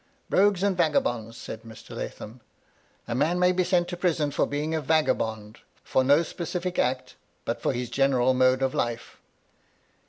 " Rogues and vagabonds," said Mr. Lathom. " A man may be sent to prison for being a vagabond ; for no specific act, but for his general mode of life."